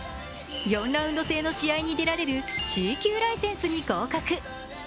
４ラウンド制の試合に出られるＣ級ライセンスに合格。